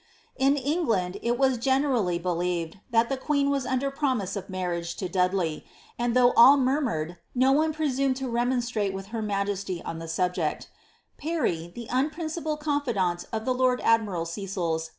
"' In England, it was generally believed that the queen was under promise of marriage to Dudley, and though all murmured^ no one presumed to remonstrate with her majesty on the subject Parr}', the unprincipled confidant of the lord admiral Seymour's clandestine courtship of his royal mistniss.